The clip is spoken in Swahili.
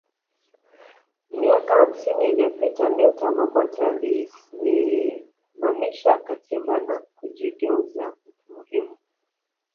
Miaka hamsini iliyopita Milton Obote aliisimamisha katiba na kujigeuza mtu muhimu